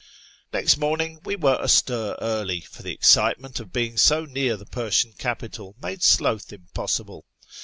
Next morning we were astir early, for the excitement of being so near the Persian capital made sloth impossible.